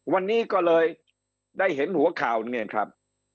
วันนี้ก็เลยได้เห็นหัวข่าวนี่ไงครับ